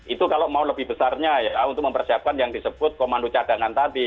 itu kalau mau lebih besarnya ya untuk mempersiapkan yang disebut komando cadangan tadi